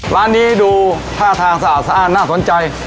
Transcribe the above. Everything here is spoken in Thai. ร้านนี้ดูท่าทางสะอาดสะอ้านน่าสนใจ